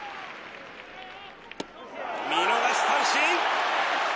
見逃し三振。